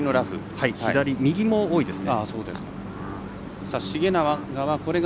右も多いですね。